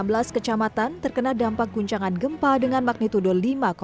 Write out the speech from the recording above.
satu ratus empat puluh enam desa di enam belas kecamatan terkena dampak guncangan gempa dengan magnitudol lima enam